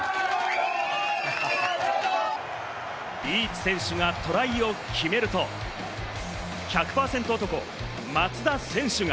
リーチ選手がトライを決めると、１００％男、松田選手が。